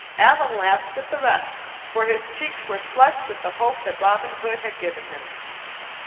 Allan laughed with the rest, for his cheeks were flushed with the hope that Robin Hood had given him.